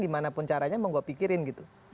dimanapun caranya mau gue pikirin gitu